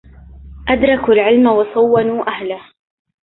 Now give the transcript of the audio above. أدركوا العلم وصونوا أهله